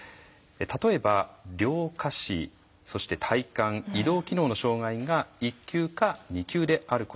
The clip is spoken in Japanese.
例えば両下肢そして体幹移動機能の障害が１級か２級であること。